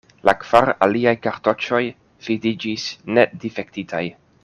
La kvar aliaj kartoĉoj vidiĝis ne difektitaj.